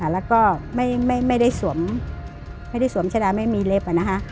แล้วก็ไม่ได้สวมชะดาไม่มีเล็บ